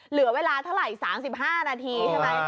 เหลือเวลาเท่าไหร่๓๕นาทีใช่ไหม